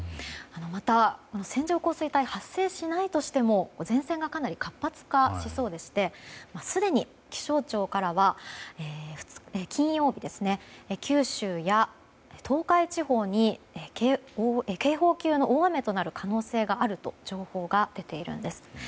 また、線状降水帯が発生しないとしても前線がかなり活発化しそうでしてすでに気象庁からは、金曜日九州や東海地方に警報級の大雨となる可能性があると情報が出ているんです。